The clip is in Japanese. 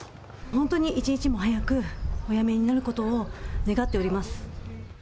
本当に一日も早くお辞めになることを願っております。